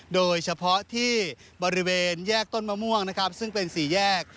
โดยเฉพาะที่บริเวณแยกต้นมะม่วงนะครับซึ่งเป็นสี่แยก